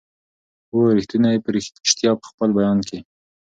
وو ریښتونی په ریشتیا په خپل بیان کي